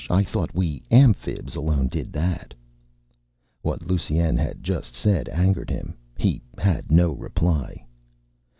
I thought we Amphibs alone did that." What Lusine had just said angered him. He had no reply.